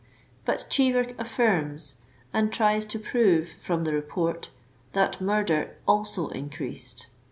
But Cheever affirms, and tries to prove from the Report, that murder also increased.